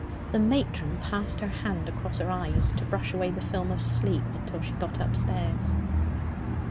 The matron passed her hand across her eyes to brush away the film of sleep till she got upstairs.